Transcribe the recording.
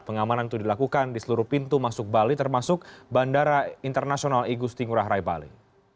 pengamanan itu dilakukan di seluruh pintu masuk bali termasuk bandara internasional igusti ngurah rai bali